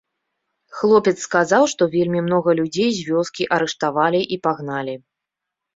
Хлопец сказаў, што вельмі многа людзей з вёскі арыштавалі і пагналі.